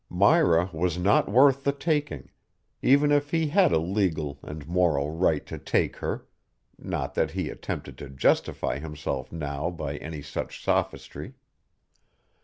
Myra was not worth the taking, even if he had a legal and moral right to take her (not that he attempted to justify himself now by any such sophistry).